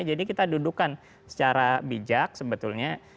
jadi kita dudukkan secara bijak sebetulnya